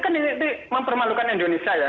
kan ini mempermalukan indonesia ya